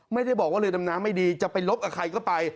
ไม่ได้บอกว่าเรือดำน้ำไม่ดีจะไปลบกับใครก็ไป